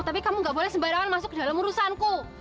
tapi kamu gak boleh sembarangan masuk ke dalam urusanku